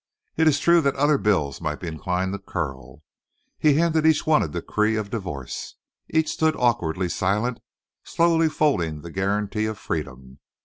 It is true that other bills might be inclined to curl. He handed each one a decree of divorce. Each stood awkwardly silent, slowly folding the guarantee of freedom.